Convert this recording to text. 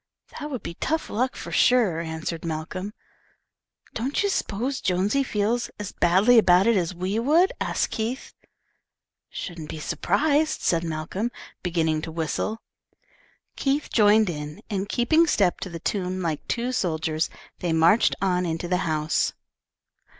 "That would be tough luck, for sure," answered Malcolm. "Don't you s'pose Jonesy feels as badly about it as we would?" asked Keith. "Shouldn't be surprised," said Malcolm, beginning to whistle. Keith joined in, and keeping step to the tune, like two soldiers, they marched on into the house.